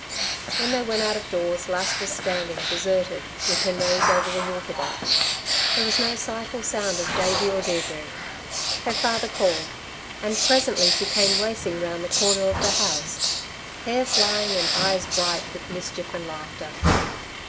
When they went out of doors Lass was standing deserted, with her nose over the water butt. There was no sight or sound of Davey or Deirdre. Her father called; and presently she came racing round the corner of the house, hair flying, and eyes bright with mischief and laughter.